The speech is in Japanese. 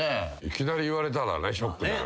いきなり言われたらショックだよな。